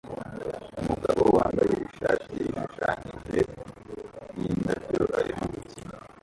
Umugabo wambaye ishati ishushanyije yindabyo arimo gukina